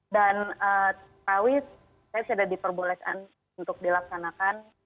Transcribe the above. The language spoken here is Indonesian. dan awis saya sudah diperbolehkan untuk dilaksanakan